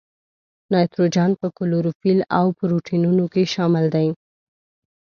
نایتروجن په کلوروفیل او پروټینونو کې شامل دی.